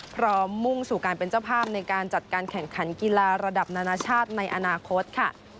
มุ่งสู่การเป็นเจ้าภาพในการจัดการแข่งขันกีฬาระดับนานาชาติในอนาคตค่ะ